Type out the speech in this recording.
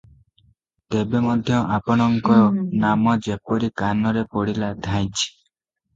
ତେବେ ମଧ୍ୟ ଆପଣଙ୍କ ନାମ ଯେପରି କାନରେ ପଡ଼ିଲା ଧାଇଁଛି ।"